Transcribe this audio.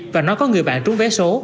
và nói có người bạn trúng vé số